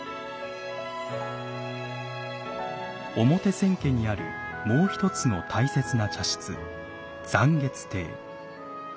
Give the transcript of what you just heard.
表千家にあるもう一つの大切な茶室残月亭。